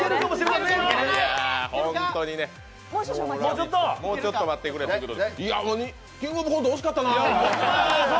本当にね、もうちょっと待ってくれと。